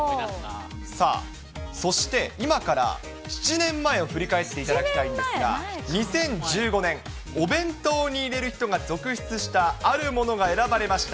さあ、そして、今から７年前を振り返っていただきたいんですが、２０１５年、お弁当に入れる人が続出した、あるものが選ばれました。